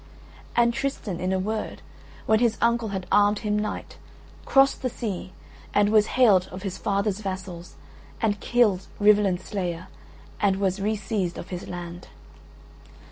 And Tristan (in a word) when his uncle had armed him knight, crossed the sea, and was hailed of his father's vassals, and killed Rivalen's slayer and was re seized of his land.